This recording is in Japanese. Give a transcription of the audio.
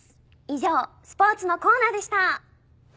以上スポーツのコーナーでした。